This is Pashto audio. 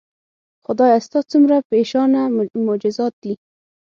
خدایه ستا څومره بېشانه معجزات دي